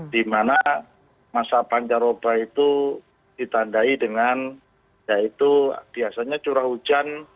di mana masa pancaroba itu ditandai dengan ya itu biasanya curah hujan